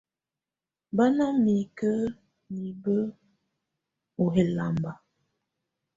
Bá ná mikǝ́ nibǝ́ u hɛlamba.